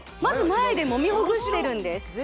まず前でもみほぐしてるんです